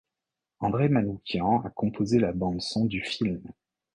André Manoukian a composé la bande-son du film.